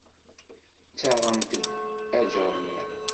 Ttaɣent-d aǧernan.